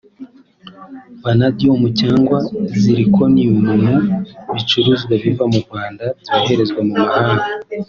vanadium cyangwa zirconium mu bicuruzwa biva mu Rwanda byoherezwa mu mahanga